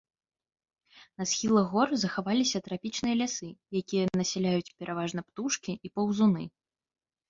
На схілах гор захаваліся трапічныя лясы, якія насяляюць пераважна птушкі і паўзуны.